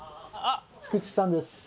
菊地さんです。